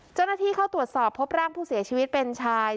เจ้าหน้าที่เข้าตรวจสอบพบร่างผู้เสียชีวิตเป็นชาย